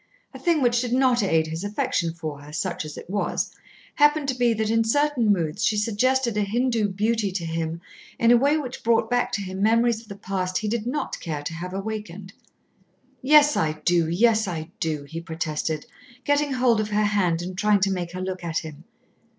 A thing which did not aid his affection for her, such as it was, happened to be that in certain moods she suggested a Hindoo beauty to him in a way which brought back to him memories of the past he did not care to have awakened. "Yes I do, yes I do," he protested, getting hold of her hand and trying to make her look at him.